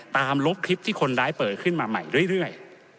ลบคลิปที่คนร้ายเปิดขึ้นมาใหม่เรื่อย